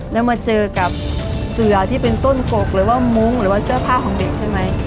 แล้วมาเจอกับเสือที่เป็นต้นกกหรือว่ามุ้งหรือว่าเสื้อผ้าของเด็กใช่ไหม